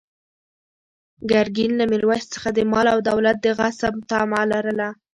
ګرګین له میرویس څخه د مال او دولت د غصب طمع لرله.